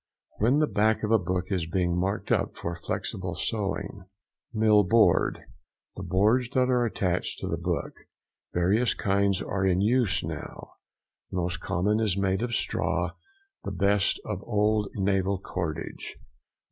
—When the back of a book is being marked for flexible sewing. MILL BOARD.—The boards that are attached to the book. Various kinds are in use now; the most common is made of straw, the best of old naval cordage.